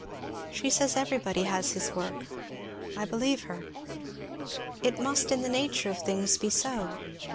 She says everybody has his work, I believe her. It must in the nature of things be so.